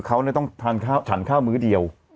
เขาต้องฉันข้าวมื้อเดียว